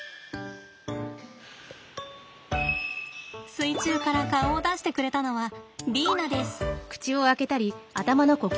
水中から顔を出してくれたのはリーナです。